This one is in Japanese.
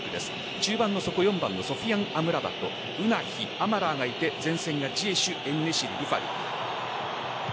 中盤のソフィアン・アムラバトウナヒ、アマラーがいて前線がジエシュ、エンネシリ